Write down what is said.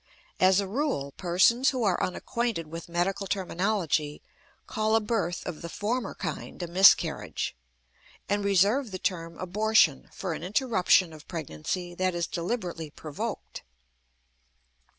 As a rule, persons who are unacquainted with medical terminology call a birth of the former kind a miscarriage, and reserve the term abortion for an interruption of pregnancy that is deliberately provoked.